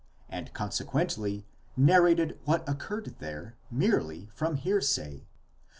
and consequently narrated what occurred there merely from hearsay.